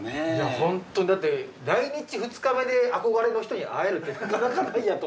ホントに来日２日目で憧れの人に会えるってなかなかない。